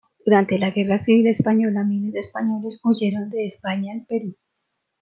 Durante la Guerra Civil española, miles de españoles huyeron de España al Perú.